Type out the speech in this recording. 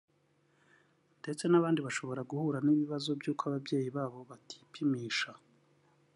ndetse n’abandi bashobora guhura n’ibibazo by’uko ababyeyi babo batipimisha